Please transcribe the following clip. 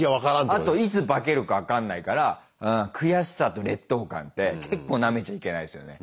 あといつ化けるか分かんないからうん悔しさと劣等感って結構なめちゃいけないですよね。